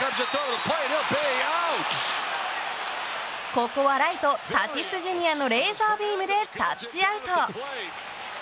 ここはライトタティスジュニアのレーザービームでタッチアウト。